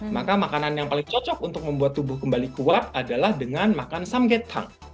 maka makanan yang paling cocok untuk membuat tubuh kembali kuat adalah dengan makan samgetang